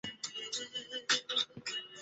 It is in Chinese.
加茂市为一位于日本新舄县中部的城市。